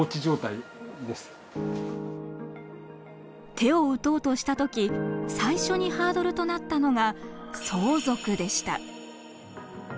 手を打とうとした時最初にハードルとなったのが相続でした。